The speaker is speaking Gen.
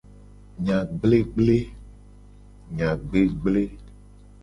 Enya gblegble.